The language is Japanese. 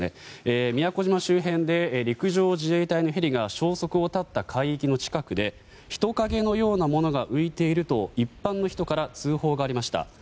宮古島周辺で陸上自衛隊のヘリが消息を絶った海域の近くで人影のようなものが浮いていると一般の人から通報がありました。